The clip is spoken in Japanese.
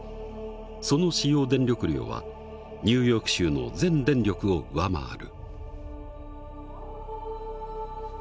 その使用電力量はニューヨーク州の全電力を上回る。